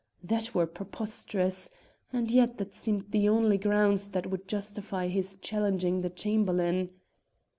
That were preposterous! And yet that seemed the only grounds that would justify his challenging the Chamberlain.